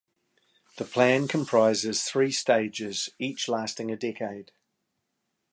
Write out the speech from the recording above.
The plan comprises three stages each lasting a decade.